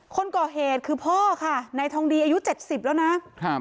คนก่อเหตุคือพ่อค่ะนายทองดีอายุเจ็ดสิบแล้วนะครับ